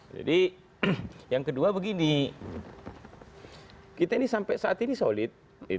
jadi yang kedua begini kita ini sampai saat ini solid